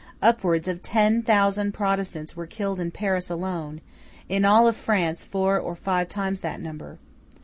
Upwards of ten thousand Protestants were killed in Paris alone; in all France four or five times that number.